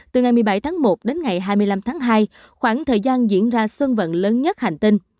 từ ngày một mươi bảy tháng một đến ngày hai mươi năm tháng hai khoảng thời gian diễn ra sân vận lớn nhất hành tinh